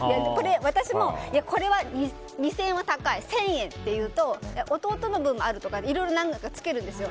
私も、これは２０００円は高い１０００円って言うと弟の分もあるとかって言っていろいろ何かつけるんですよ。